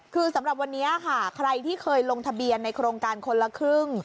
คือสำหรับวันนี้ค่ะใครที่เคยลงทะเบียนในโครงการคนละครึ่ง